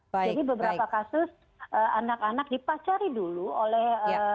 beberapa kasus anak anak dipacari dulu oleh